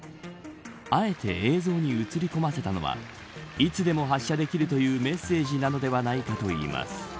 あえて映像に映り込ませたのはいつでも発射できるというメッセージなのではないかといいます。